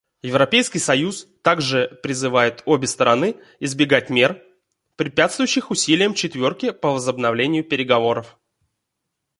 Европейский союз также призывает обе стороны избегать мер, препятствующих усилиям «четверки» по возобновлению переговоров.